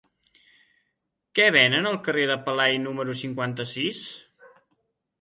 Què venen al carrer de Pelai número cinquanta-sis?